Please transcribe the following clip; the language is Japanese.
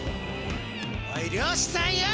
おい漁師さんよ